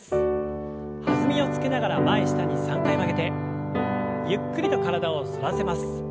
弾みをつけながら前下に３回曲げてゆっくりと体を反らせます。